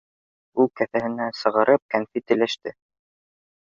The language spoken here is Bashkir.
Ул кеҫәһенән сығарып кәнфит өләште.